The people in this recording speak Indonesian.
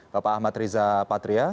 bapak ahmad riza patria